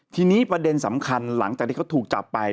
ทีนี้ประเด็นสำคัญหลังจากที่เขาถูกจับไป